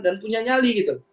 dan punya nyali gitu